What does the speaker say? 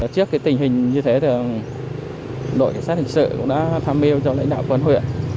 trước tình hình như thế đội xác hình sự đã tham mêu cho lãnh đạo quân huyện